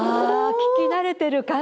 聞き慣れてる感じです